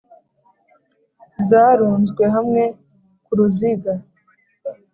zarunzwe hamwe ku ruziga.